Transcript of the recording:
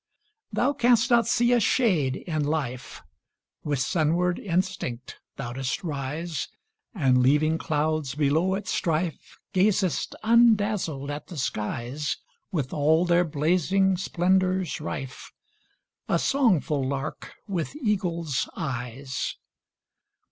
Thou canst not see a shade in life; With sunward instinct thou dost rise, And, leaving clouds below at strife, Gazest undazzled at the skies, With all their blazing splendors rife, A songful lark with eagle's eyes.